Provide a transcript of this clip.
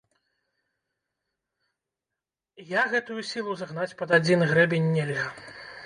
Я гэтую сілу загнаць пад адзін грэбень нельга.